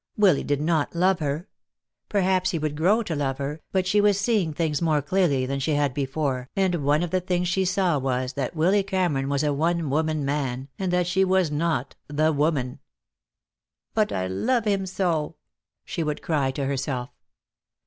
Willy did not love her. Perhaps he would grow to love her, but she was seeing things more clearly than she had before, and one of the things she saw was that Willy Cameron was a one woman man, and that she was not the woman. "But I love him so," she would cry to herself.